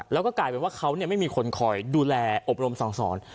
แล้วก็กลายเป็นว่าเขาไม่มีคนคอยดูแลอบรมสั่งสอน